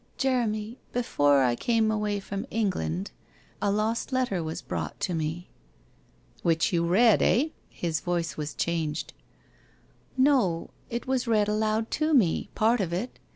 * Jeremy, before I came away from England a lost letter was brought to me !'' Which you read, eh ?' His voice changed. ' Xo, it was read aloud to me — part of it!